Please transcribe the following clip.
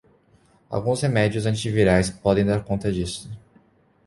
Alguns remédios antivirais podem dar conta disso